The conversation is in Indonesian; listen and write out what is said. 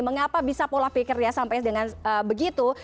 mengapa bisa pola pikirnya sampai dengan begitu